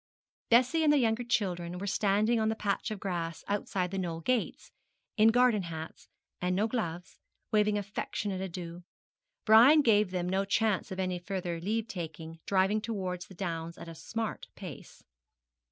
Bessie and the younger children were standing on the patch of grass outside The Knoll gates, in garden hats, and no gloves, waving affectionate adieux. Brian gave them no chance of any further leave taking driving towards the downs at a smart pace.